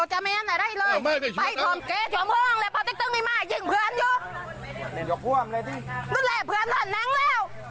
ให้เราเข้าไปเลยคนเดี๋ยวไม่ได้ไม่ใช่ไปตุ๊กเนื้อตรงตัวมานี่